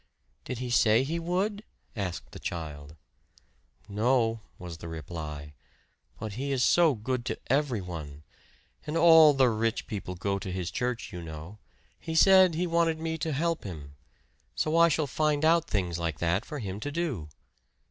"Did he say he would?" asked the child. "No," was the reply "but he is so good to everyone. And all the rich people go to his church, you know. He said he wanted me to help him; so I shall find out things like that for him to do."